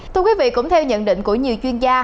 thưa quý vị cũng theo nhận định của nhiều chuyên gia